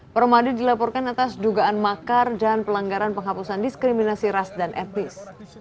permadi dilaporkan atas dugaan makar dan pelanggaran penghapusan diskriminasi ras dan etnis